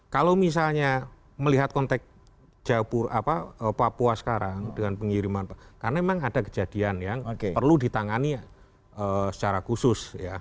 kalau misalnya melihat konteks papua sekarang dengan pengiriman karena memang ada kejadian yang perlu ditangani secara khusus